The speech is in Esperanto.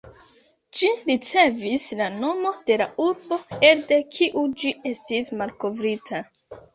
Ĝi ricevis la nomo de la urbo elde kiu ĝi estis malkovrita.